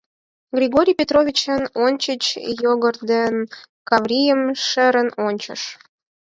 Григорий Петрович эн ончыч Йогор ден Каврийым шерын ончыш.